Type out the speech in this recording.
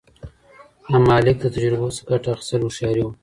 د مالِک د تجربو څخه ګټه اخیستل هوښیاري وه.